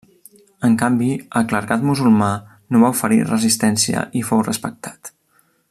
En canvi el clergat musulmà no va oferir resistència i fou respectat.